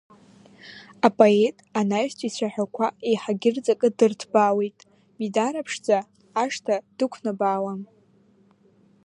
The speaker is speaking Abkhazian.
Апоет анаҩстәи ицәаҳәақәа еиҳагьы рҵакы дырҭбаауеит, Мидара-ԥшӡа ашҭа дықәнабаауам…